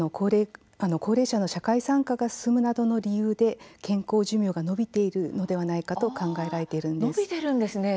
高齢者の社会参加が進むなどの理由で、健康寿命が延びているのではないかといわれています。